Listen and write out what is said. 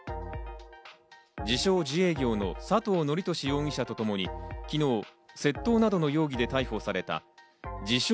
自称・自営業の佐藤徳寿容疑者とともに昨日、窃盗などの容疑で逮捕された自称